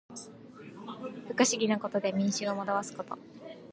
不可思議なことで民衆を惑わすこと。